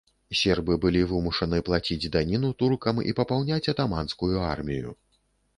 Сербы былі вымушаны плаціць даніну туркам і папаўняць атаманскую армію.